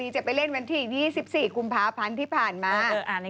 จะไปเล่นวันที่๒๔กุมภาพันธ์ที่ผ่านมา